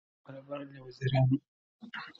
زور يې نه وو برابر له وزيرانو-